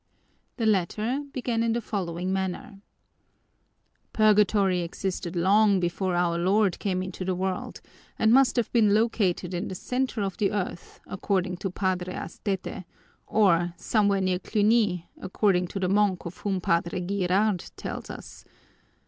The latter began in the following manner: "Purgatory existed long before Our Lord came into the world and must have been located in the center of the earth, according to Padre Astete; or somewhere near Cluny, according to the monk of whom Padre Girard tells us.